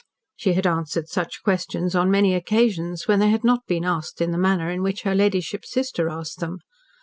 She had answered such questions on many occasions, when they had not been asked in the manner in which her ladyship's sister asked them.